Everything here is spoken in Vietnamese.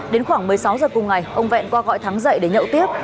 đến khoảng một mươi sáu giờ cùng ngày ông vẹn qua gọi thắng dậy để nhậu tiếp